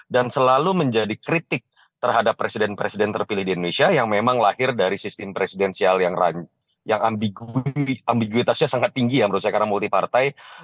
dan selalu menjadi kritik terhadap presiden presiden terpilih di indonesia yang memang lahir dari sistem presidensial yang ambiguitasnya sangat tinggi ya menurut saya karena multipartai